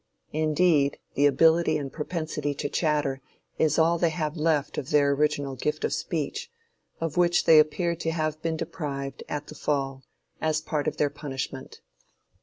Indeed, the ability and propensity to chatter, is all they have left of their original gift of speech, of which they appear to have been deprived at the fall as a part of their punishment."